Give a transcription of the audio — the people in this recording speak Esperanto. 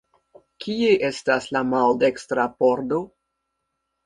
Kie estas la maldekstra pordo?